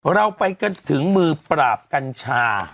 เราไปกันถึงมือปราบกัญชา